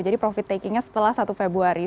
jadi profit taking nya setelah satu februari